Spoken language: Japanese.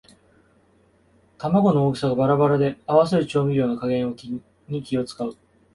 玉子の大きさがバラバラで合わせる調味料の加減に気をつかう